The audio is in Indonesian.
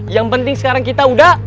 yang penting sekarang kita udah